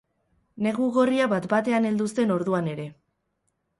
Negu gorria bat-batean heldu zen orduan ere.